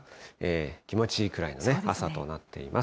気持ちいいくらいの朝となっています。